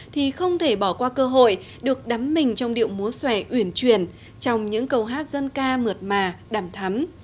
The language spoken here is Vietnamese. thì không thể bỏ qua cơ hội được đắm mình trong điệu múa xòe uyển truyền trong những câu hát dân ca mượt mà đầm thắm